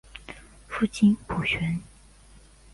父亲浦璇。